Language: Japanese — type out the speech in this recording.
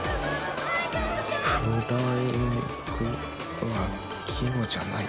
フライングは季語じゃないよな。